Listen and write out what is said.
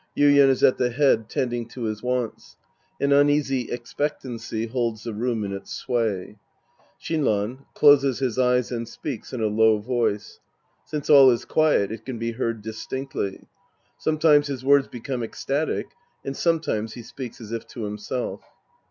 Yuien is at the head tending to his wants. An uneasy expectancy holds the room in its sway.) Shinran {closes his eyes and speaks in a low voice. Since all is quiet, it can be heard distinctly. Some times his words become esctatic, and sometimes he speaks as if to himself.)